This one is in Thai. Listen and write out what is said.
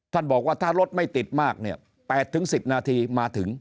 ท่านบอกว่าถ้ารถไม่ติดมากเนี้ยแปดถึงสิบนาทีมาถึง